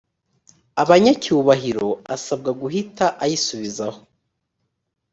abanyacyubahiro asabwa guhita ayisubiza